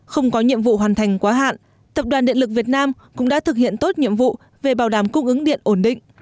không có nhiệm vụ hoàn thành quá hạn tập đoàn điện lực việt nam cũng đã thực hiện tốt nhiệm vụ về bảo đảm cung ứng điện ổn định